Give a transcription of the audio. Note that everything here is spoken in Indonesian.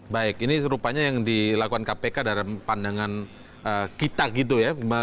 baik ini rupanya yang dilakukan kpk dalam pandangan kita gitu ya